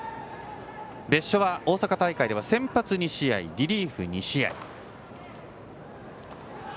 別所は大阪大会では先発２試合、リリーフ２試合。